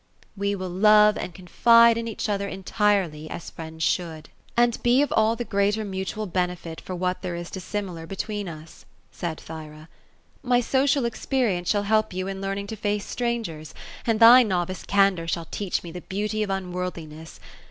" We will love and confide in each other entirely, as friends should : 238 OPHELIA ; and be of all the greater mutual benefit, for what there is dissimnar oe tween us ;" said Th3*ra. ^ My social experience shall help you in learn ing to face strangers ; and thy novice candour shall teach ine the beauty of unworldliness.